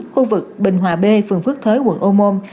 khu vực bình hòa b phường phước thới quận ô môn